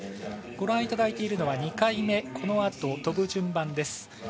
ご覧いただいているのが２回目このあと飛ぶ順番です。